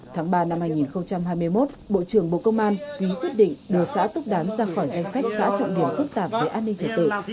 tháng ba năm hai nghìn hai mươi một bộ trưởng bộ công an ký quyết định đưa xã túc đán ra khỏi danh sách xã trọng điểm phức tạp về an ninh trật tự